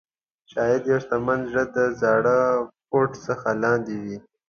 شاید یو شتمن زړه د زاړه کوټ څخه لاندې وي.